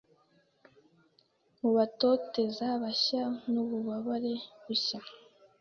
Mubatoteza bashya nububabare bushya